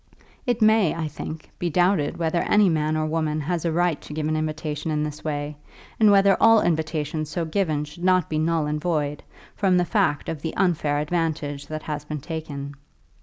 It may, I think, be doubted whether any man or woman has a right to give an invitation in this way, and whether all invitations so given should not be null and void, from the fact of the unfair advantage that has been taken.